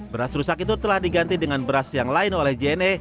beras rusak itu telah diganti dengan beras yang lain oleh jne